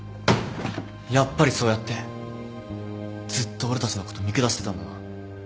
やっぱりそうやってずっと俺たちのこと見下してたんだな。